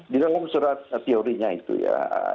di dalam surat teorinya itu ya